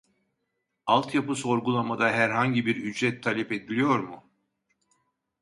Alt yapı sorgulamada herhangi bir ücret talep ediliyor mu ?